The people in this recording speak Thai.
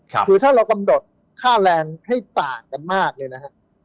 คือถ้าเรากำหนดค่าแรงให้ต่างกันมากเนี่ยนะฮะ